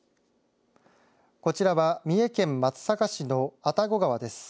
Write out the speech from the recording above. こちらが三重県松阪市の愛宕川です。